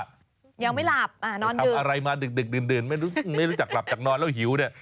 ยังไม่หลับทำอะไรมาดึกดื่นไม่รู้จักหลับจากนอนแล้วหิวเนี่ย